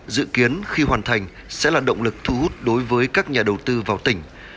dự kiến khi hoàn thành sẽ là động lực thu hút đối với các nhà đầu tư vào tỉnh